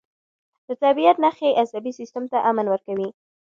د طبیعت نښې عصبي سیستم ته امن ورکوي.